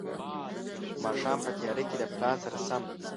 د ماښام په تياره کې له پلان سره سم.